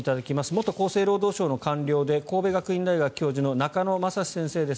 元厚生労働省の官僚で神戸学院大学教授の中野雅至先生です。